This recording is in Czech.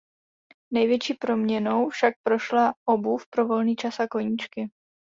Největší proměnou však prošla obuv pro volný čas a koníčky.